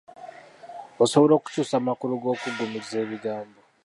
Osobola okukyusa amakulu g’okuggumiza ebigambo?